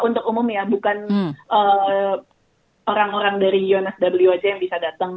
untuk umum ya bukan orang orang dari unsw aja yang bisa datang